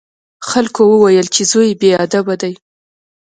خلکو وویل چې زوی یې بې ادبه دی.